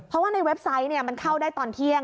เพราะว่าในเว็บไซต์มันเข้าได้ตอนเที่ยง